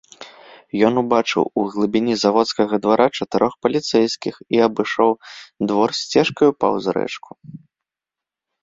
Ён убачыў у глыбіні заводскага двара чатырох паліцэйскіх і абышоў двор сцежкаю паўз рэчку.